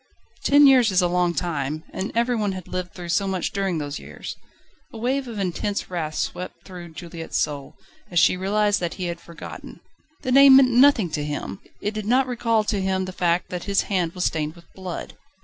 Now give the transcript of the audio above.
Ten years is a long time, and every one had lived through so much during those years! A wave of intense wrath swept through Juliette's soul, as she realised that he had forgotten. The name meant nothing to him! It did not recall to him the fact that his hand was stained with blood.